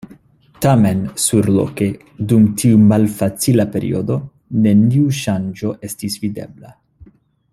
Tamen, surloke, dum tiu malfacila periodo, neniu ŝanĝo estis videbla.